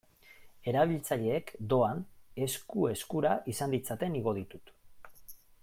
Erabiltzaileek, doan, esku-eskura izan ditzaten igo ditut.